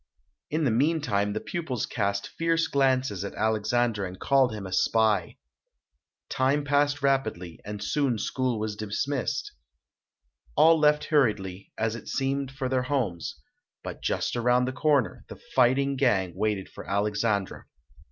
In the meantime the pupils cast fierce glances at Alexandre and called him a spy. Time passed rapidly, and soon school was dismissed. All left hurriedly, as it seemed, for their homes, but just ALEXANDRE DUMAS [ 239 around the corner, the fighting gang waited for Alexandre.